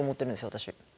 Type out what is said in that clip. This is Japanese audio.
私。